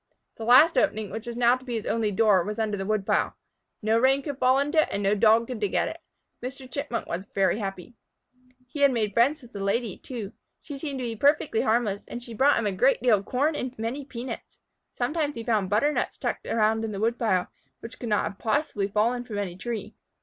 The last opening, which was now to be his only door, was under the woodpile. No rain could fall into it and no Dog could dig at it. Mr. Chipmunk was very happy. He made friends with the Lady, too. She seemed to be perfectly harmless, and she brought him a great deal of corn and many peanuts. Sometimes he found butternuts tucked around in the woodpile, which could not possibly have fallen from any tree.